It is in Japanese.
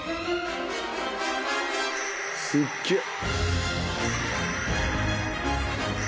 すっげぇ。